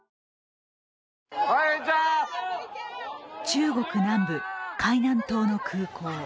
中国南部・海南島の空港。